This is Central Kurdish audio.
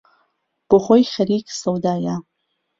بۆ خۆی خەریک سەودایە